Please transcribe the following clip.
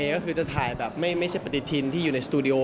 ก็คือจะถ่ายแบบไม่ใช่ปฏิทินที่อยู่ในสตูดิโอ